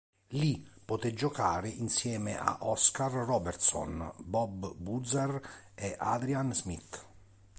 Lì poté giocare insieme a Oscar Robertson, Bob Boozer e Adrian Smith.